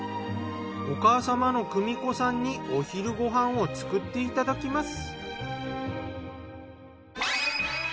お母様の久美子さんにお昼ご飯を作っていただきます。